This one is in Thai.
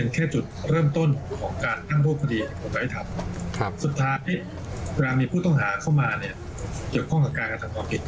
เกี่ยวกับข้องกักการการทำทับจังครองปิต